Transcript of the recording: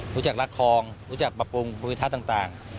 รู้จักรักคลองรู้จักปรับปรุงภูมิทัศน์ต่าง